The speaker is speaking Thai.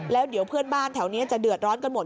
แล้วเดี๋ยวเพื่อนบ้านแถวนี้จะเดือดร้อนกันหมด